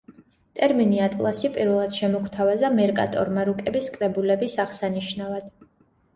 ტერმინი „ატლასი“ პირველად შემოგვთავაზა მერკატორმა რუკების კრებულების აღსანიშნავად.